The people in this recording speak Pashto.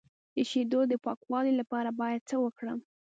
د شیدو د پاکوالي لپاره باید څه وکړم؟